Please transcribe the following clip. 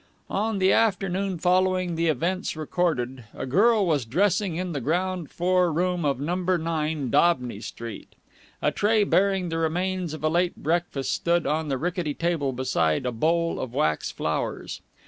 On the afternoon following the events recorded, a girl was dressing in the ground floor room of Number Nine, Daubeny Street. A tray bearing the remains of a late breakfast stood on the rickety table beside a bowl of wax flowers.